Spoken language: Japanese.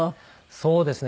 そうですね。